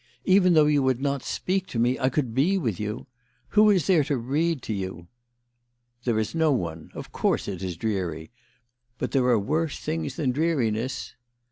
Even though you would not speak to me I could be with you. Who is there to read to you? "" There is no one. Of course it is dreary. But there are worse things than dreariness."